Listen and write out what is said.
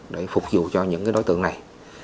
để phục vụ cho những cái đối tượng này